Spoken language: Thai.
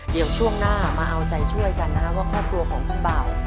เดี๋ยวช่วงหน้ามาเอาใจช่วยกันนะครับว่าครอบครัวของคุณเบา